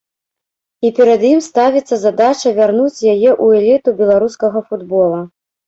І перад ім ставіцца задача вярнуць яе ў эліту беларускага футбола.